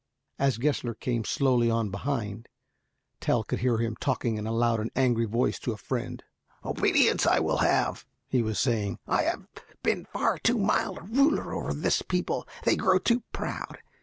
As Gessler came slowly on behind, Tell could hear him talking in a loud and angry voice to a friend. "Obedience I will have," he was saying. "I have been far too mild a ruler over this people. They grow too proud.